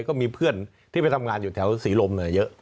ก็มีเพื่อนที่ไปทำงานอยู่แถวศรีลมเยอะ